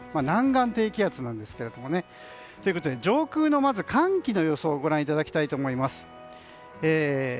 南岸低気圧なんですけれどもね。ということで上空の寒気の予想をご覧いただきたいと思います。